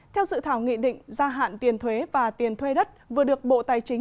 theo dự thảo nghị định gia hạn tiền thuế và tiền thuê đất vừa được bộ tài chính